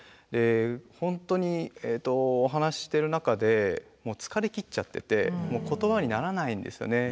本当にお話ししてる中で疲れきっちゃってて言葉にならないんですよね。